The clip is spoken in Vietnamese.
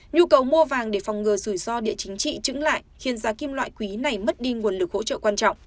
nhu cầu mua vàng để phòng ngừa rủi ro địa chính trị trứng lại khiến giá kim loại quý này mất đi nguồn lực hỗ trợ quan trọng